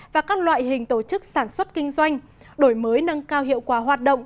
và các loại hình tổ chức sản xuất kinh doanh đổi mới nâng cao hiệu quả hoạt động